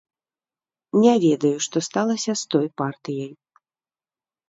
Не ведаю, што сталася з той партыяй.